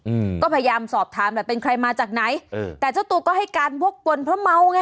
อืมก็พยายามสอบถามแหละเป็นใครมาจากไหนเออแต่เจ้าตัวก็ให้การวกกวนเพราะเมาไง